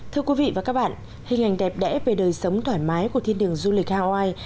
thưa quý vị và các bạn hình ảnh đẹp đẽ về đời sống thoải mái của thiên đường du lịch hawaii